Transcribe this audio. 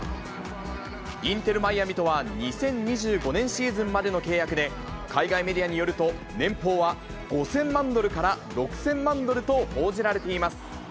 インテル・マイアミとは２０２５年シーズンまでの契約で、海外メディアによると、年俸は５０００万ドルから６０００万ドルと報じられています。